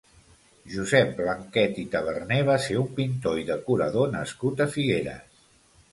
Josep Blanquet i Taberner va ser un pintor i decorador nascut a Figueres.